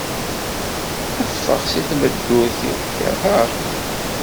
Ffeɣ seg tmeddurt-iw. Keṛheɣ-k.